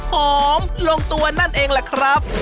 หอมลงตัวนั่นเองแหละครับ